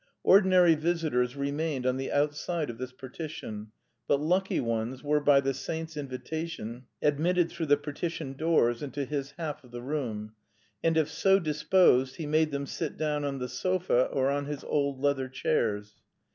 Ordinary visitors remained on the outside of this partition, but lucky ones were by the saint's invitation admitted through the partition doors into his half of the room. And if so disposed he made them sit down on the sofa or on his old leather chairs.